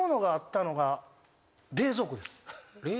冷蔵庫？